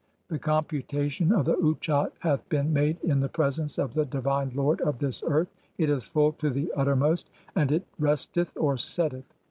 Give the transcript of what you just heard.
(8) The computation of the Utchat hath been made in the "presence of the divine lord of this earth ; it is full to the utter "most, and it resteth (or setteth).